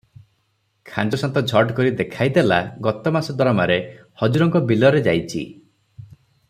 ଖାଞ୍ଜଶାନ୍ତ ଝଟ୍ କରି ଦେଖାଇ ଦେଲା ଗତମାସ- ଦରମାରେ ହଜୁରଙ୍କ ବିଲରେ ଯାଇଚି ।